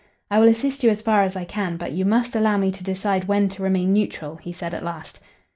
"I will assist you as far as I can, but you must allow me to decide when to remain neutral," he said at last.